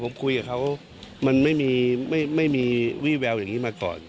ผมคุยกับเขามันไม่มีไม่มีวี่แววอย่างนี้มาก่อน